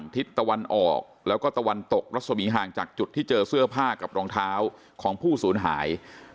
ตกละสมีห่างจากจุดที่เจอเสื้อผ้ากับรองเท้าของผู้ศูนย์หาย